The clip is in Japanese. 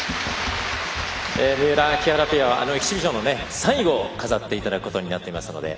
三浦、木原ペアはエキシビジョンの最後を飾っていただくことになっています。